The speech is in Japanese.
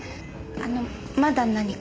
あのまだ何か？